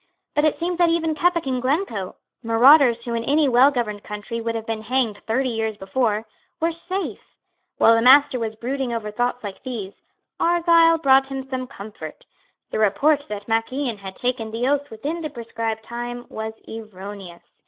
But it seemed that even Keppoch and Glencoe, marauders who in any well governed country would have been hanged thirty years before, were safe. While the Master was brooding over thoughts like these, Argyle brought him some comfort. The report that Mac Ian had taken the oaths within the prescribed time was erroneous.